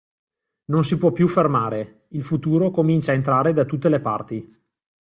Non si può più fermare, il futuro comincia a entrare da tutte le parti.